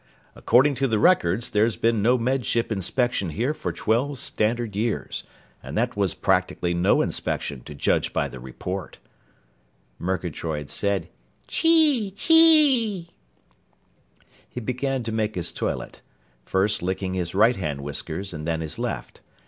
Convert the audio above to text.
According to the records, there's been no Med Ship inspection here for twelve standard years. And that was practically no inspection, to judge by the report." Murgatroyd said: "Chee chee!" He began to make his toilet, first licking his right hand whiskers and then his left.